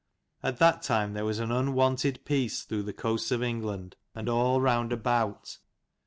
At that time there was an unwonted peace through the coasts of England and all round about.